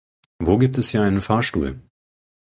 Wo gibt es hier einen Fahrstuhl?